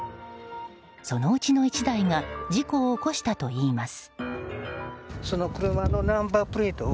そのうちの１台が事故を起こしたといいます。